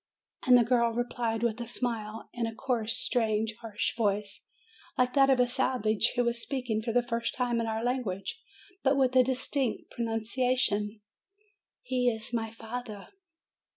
And the girl replied with a smile, in a coarse, strange, harsh voice, like that of a savage who was speaking for the first time in our language, but with a distinct pronunciation, "He is my fa ther."